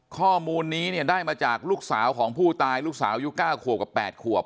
ข้อมูลนี้เนี่ยได้มาจากลูกสาวของผู้ตายลูกสาวยุค๙ขวบกับ๘ขวบ